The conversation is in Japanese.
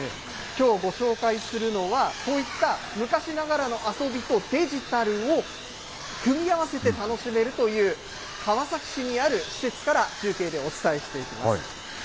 きょうご紹介するのは、こういった昔ながらの遊びとデジタルを組み合わせて楽しめるという、川崎市にある施設から中継でお伝えしていきます。